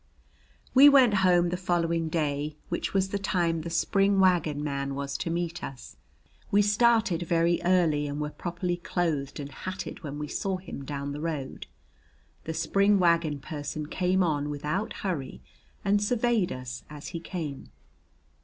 We went home the following day, which was the time the spring wagon man was to meet us. We started very early and were properly clothed and hatted when we saw him down the road. The spring wagon person came on without hurry and surveyed us as he came.